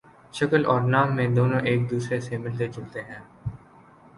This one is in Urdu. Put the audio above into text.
شکل اور نام میں دونوں ایک دوسرے سے ملتے جلتے ہیں